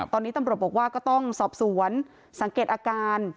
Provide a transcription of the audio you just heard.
ตอนนี้ตำรวจบอกว่าก็ต้องสอบสวนสังเกตอาการ